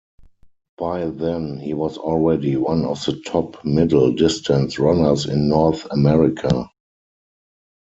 By then, he was already one of the top middle-distance runners in North America.